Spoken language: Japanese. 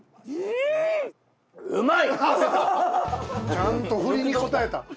ちゃんとフリに応えた。